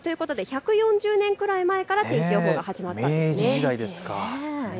１４０年くらい前から天気予報が始まったんですね。